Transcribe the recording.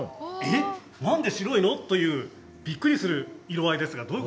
なんで白いの？とびっくりする色合いですよね。